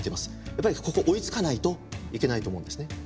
やっぱりここ追いつかないといけないと思うんですね。